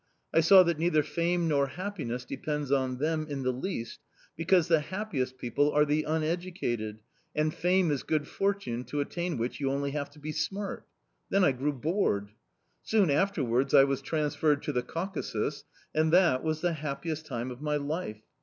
I saw that neither fame nor happiness depends on them in the least, because the happiest people are the uneducated, and fame is good fortune, to attain which you have only to be smart. Then I grew bored... Soon afterwards I was transferred to the Caucasus; and that was the happiest time of my life.